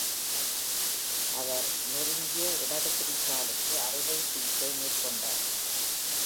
அவர் நொறுங்கிய இடது குதிங்காலுக்கு அறுவை சிகிச்சை மேற்கொண்டார்.